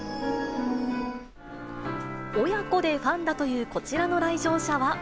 親子でファンだというこちらの来場者は。